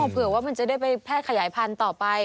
เผื่อว่ามันจะได้ไปแพร่ขยายพันธุ์ต่อไป